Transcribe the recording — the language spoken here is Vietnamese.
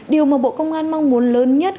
điều mà bộ công an mong muốn lớn nhất